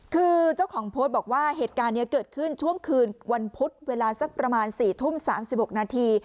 คือเจ้าของโพสต์บอกว่าเหตุการณ์นี้เกิดขึ้นช่วงคืนวันพุธเวลาสักประมาณ๔ทุ่ม๓๖นาที